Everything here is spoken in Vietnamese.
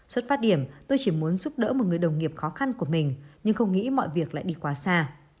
xuất phát điểm tôi chỉ muốn giúp đỡ một người đồng nghiệp khó khăn của mình nhưng không nghĩ mọi việc lại đi quá xa